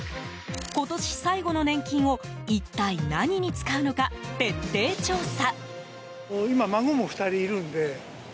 今年最後の年金を一体、何に使うのか徹底調査。